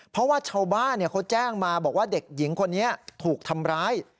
เพราะว่าชาวบ้านเขาแจ้งมาบอกว่าเด็กหญิงคนนี้ถูกทำร้าย